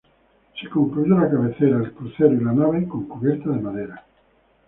Se concluyó la cabecera, el crucero y la nave con cubierta de madera.